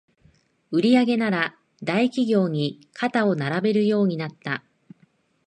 売上なら大企業に肩を並べるようになった